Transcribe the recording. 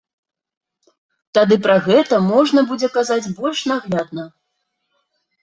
Тады пра гэта можна будзе казаць больш наглядна.